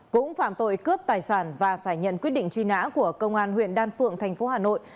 cũng phạm tội cướp tài sản và phải nhận quyết định truy nã của công an huyện đan phượng thành phố hà nội